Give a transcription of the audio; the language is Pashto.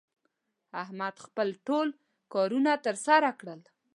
احمد خپل ټول کارونه تر سره کړل